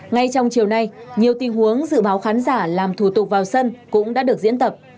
ngay trong chiều nay nhiều tình huống dự báo khán giả làm thủ tục vào sân cũng đã được diễn tập